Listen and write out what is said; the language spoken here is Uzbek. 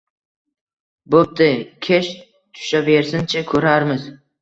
Bo`pti, kech tushaversin-chi, ko`rarmiz